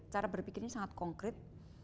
cara berpikirnya sangat konkret